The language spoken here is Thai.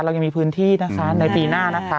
เรายังมีพื้นที่นะคะในปีหน้านะคะ